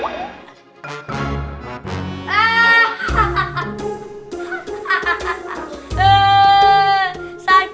asuh tau ya aku